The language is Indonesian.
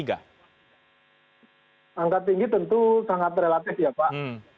angka tinggi tentu sangat relatif ya pak